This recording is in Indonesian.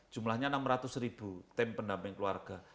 jumlahnya enam ratus ribu tim pendamping keluarga